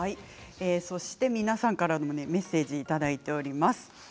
皆さんからもメッセージいただいています。